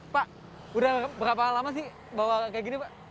pak udah berapa lama sih bawa kayak gini pak